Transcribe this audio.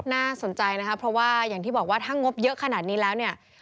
น่าสนใจนะคะเพราะว่าอย่างที่บอกว่าถ้างบเยอะขนาดนี้แล้วเนี่ย